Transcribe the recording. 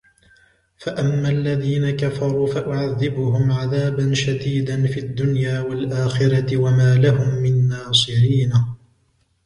فأما الذين كفروا فأعذبهم عذابا شديدا في الدنيا والآخرة وما لهم من ناصرين